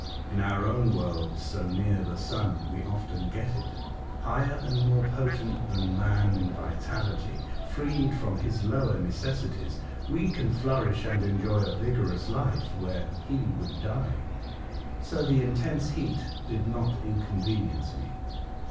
In our own world, so near the sun, we often get it. Higher and more potent than man in vitality, freed from his lower necessities, we can flourish and enjoy a vigorous life where he would die. So the intense heat did not inconvenience me.